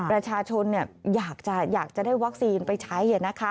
ประชาชนอยากจะได้วัคซีนไปใช้